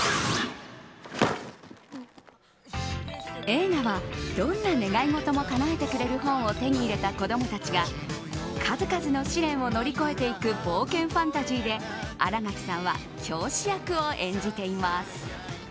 映画はどんな願いごともかなえてくれる本を手に入れた子供たちが数々の試練を乗り越えていく冒険ファンタジーで、新垣さんは教師役を演じています。